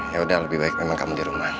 yaudah lebih baik memang kamu di rumah tuh